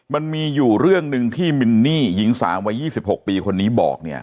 มันมีอยู่เรื่องหนึ่งที่มินนี่หญิงสาววัย๒๖ปีคนนี้บอกเนี่ย